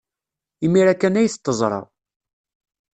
Imir-a kan ay t-teẓra.